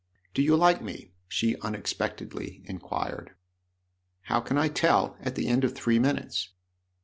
" Do you like me ?" she unexpectedly inquired. " How can I tell at the end of three minutes